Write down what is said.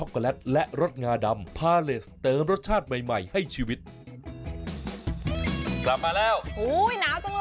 กลับมาแล้วโอ้โหหนาวจังเลย